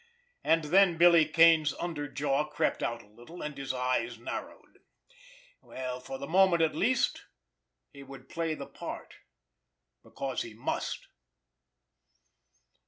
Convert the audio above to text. And then Billy Kane's under jaw crept out a little, and his eyes narrowed. Well, for the moment, at least, he would play the part—because he must.